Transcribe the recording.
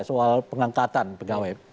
soal pengangkatan pegawai